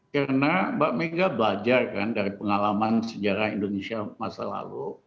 karena mbak mega belajar kan dari pengalaman sejarah indonesia masa lalu